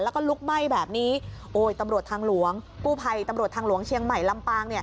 แล้วก็ลุกไหม้แบบนี้โอ้ยตำรวจทางหลวงกู้ภัยตำรวจทางหลวงเชียงใหม่ลำปาง